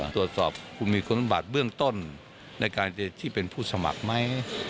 ตรวจสอบคุณมีคุณบัตรเบื้องต้นในการที่เป็นผู้สมัครไหม